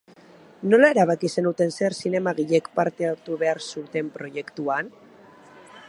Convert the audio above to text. Nola erabaki zenuten zer zinemagilek parte hartu behar zuten proiektuan?